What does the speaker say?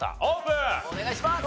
お願いします！